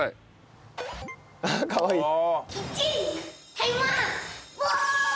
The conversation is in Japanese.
かわいい！